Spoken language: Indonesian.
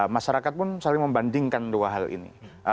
masyarakat pun saling membandingkan dua hal ini